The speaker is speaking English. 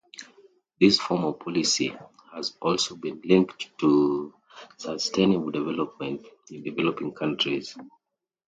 This form of policy has also been linked to sustainable development in developing countries.